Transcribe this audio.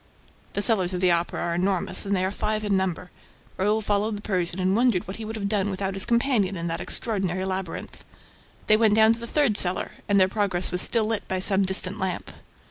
The cellars of the Opera are enormous and they are five in number. Raoul followed the Persian and wondered what he would have done without his companion in that extraordinary labyrinth. They went down to the third cellar; and their progress was still lit by some distant lamp.